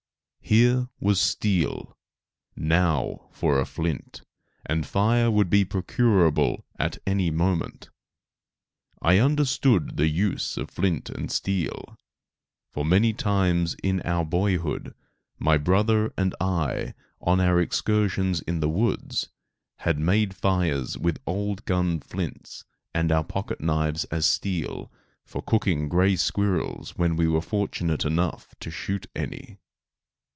Here was steel; now for a flint, and fire would be procurable at any moment. I understood the use of flint and steel, for many times, in our boyhood, my brother and I, on our excursions in the woods, had made fires with old gun flints and our pocket knives as steel, for cooking grey squirrels when we were fortunate enough to shoot any.